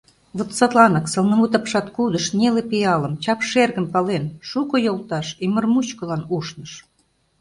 Вот садланак Сылнымут апшаткудыш, Неле пиалым, Чап шергым пален, Шуко йолташ Ӱмыр мучкылан ушныш…